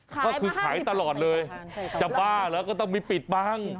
ก็คือขายตลอดเลยจะบ้าเหรอก็ต้องมีปิดบัง